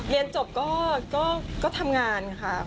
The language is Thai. เรียนจบก็ทำงานค่ะ